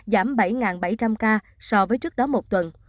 giảm bảy bảy trăm linh ca so với trước đó một tuần